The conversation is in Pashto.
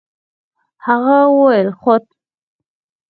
هغه وويل خود.